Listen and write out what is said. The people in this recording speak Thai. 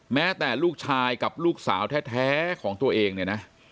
แม้แต่ลูกชายกับลูกสาวแท้ของตัวเองเนี่ยนะ